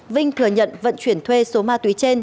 vinh thừa nhận vận chuyển thuê số ma túy trên